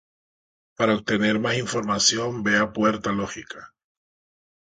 Para obtener más información, vea Puerta lógica.